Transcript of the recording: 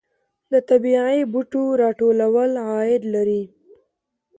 د طبیعي بوټو راټولول عاید لري